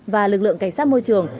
và lực lượng cảnh sát môi trường